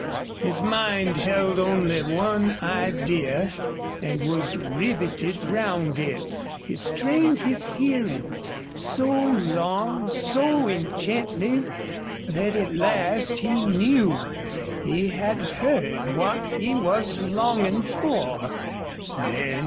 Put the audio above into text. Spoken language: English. His mind held only one idea and was riveted round it. He strained his hearing, so long, so intently, that at last he knew he had heard what he was longing for.